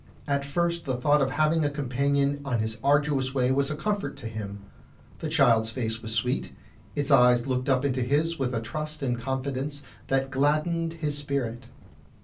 At first the thought of having a companion on his arduous way was a comfort to him. The child's face was sweet, its eyes looked up into his with a trust and confidence that gladdened his spirit.